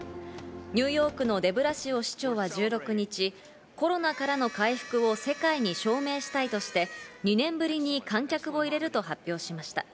ニューヨークのデブラシオ市長は１６日、コロナからの回復を世界に証明したいとして、２年ぶりに観客を入れると発表しました。